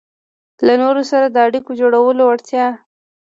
-له نورو سره د اړیکو جوړولو وړتیا